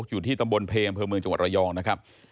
อยู่ที่ตำบลเพอำเภอเมืองจังหวัดระยองนะครับ